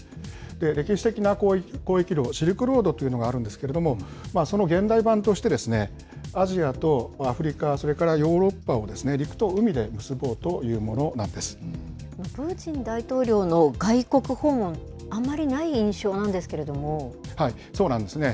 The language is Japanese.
歴史的な交易路、シルクロードというのがあるんですけれども、その現代版として、アジアとアフリカ、それからヨーロッパを陸と海プーチン大統領の外国訪問、そうなんですね。